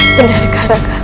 dan dari karaka